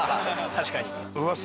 確かに。